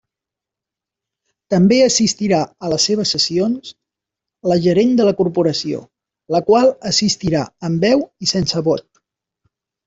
També assistirà a les seves sessions la Gerent de la corporació, la qual assistirà amb veu i sense vot.